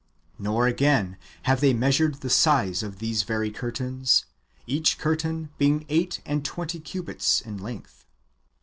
Nor, again, have they measured the size of these very curtains, each curtain^ being eight and twenty cubits in length.